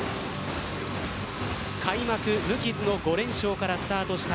開幕、無傷の５連勝からスタートした